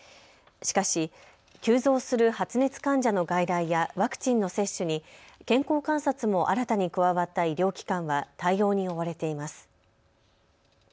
しかし急増する発熱患者の外来やワクチンの接種に健康観察も新たに加わった医療機関は対応に追われています。